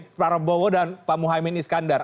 pak prabowo dan pak muhaymin iskandar